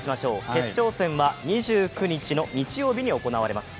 決勝戦は２９日に行われます。